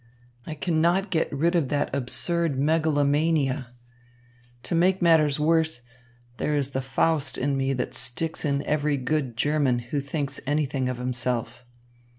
I cannot get rid of that absurd megalomania. To make matters worse, there is the Faust in me that sticks in every good German who thinks anything of himself.